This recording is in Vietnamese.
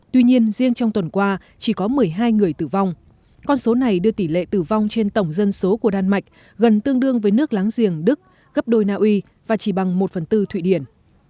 tuy nhiên riêng trong tuần qua chỉ có một mươi hai người tử vong con số này đưa tỷ lệ tử vong trên tổng dân số của đan mạch gần tương đương với nước láng giềng đức gấp đôi naui và chỉ bằng một phần tư thụy điển